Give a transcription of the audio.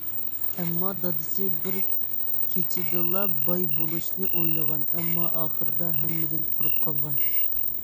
ئەمما دادىسى بىر كېچىدىلا باي بولۇشنى ئويلىغان، ئەمما ئاخىرىدا ھەممىدىن قۇرۇق قالغان.